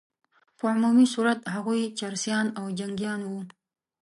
په عمومي صورت هغوی چرسیان او جنګیان وه.